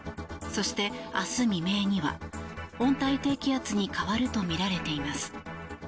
そして、明日未明には温帯低気圧に変わるとみられています。